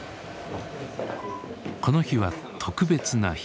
この日は特別な日。